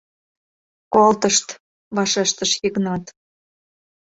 — Колтышт... — вашештыш Йыгнат.